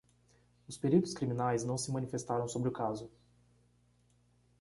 Os peritos criminais não se manifestaram sobre o caso.